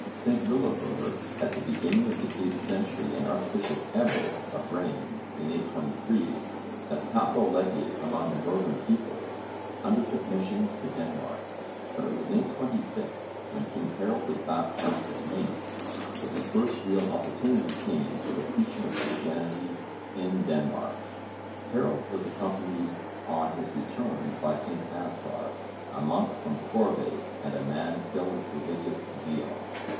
St Willibrord at the beginning of the 8th century and Archbishop Ebbo of Rheims in 823, as papal legate among the northern peoples, undertook missions to Denmark, but it was in 826, when king Harold was baptised at Mainz, that the first real opportunity came for the preaching of Christianity in Denmark. Harold was accompanied on his return by St Anskar, a monk from Corvey and a man filled with religious zeal.